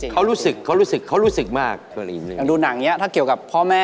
จริงป่ะเตะเลยป่ะ